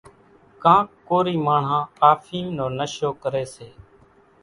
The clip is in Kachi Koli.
ڪانڪ ڪورِي ماڻۿان آڦيم نو نشو ڪريَ سي۔